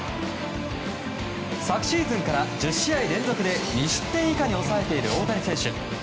昨シーズンから１０試合連続で２失点以下に抑えている大谷選手。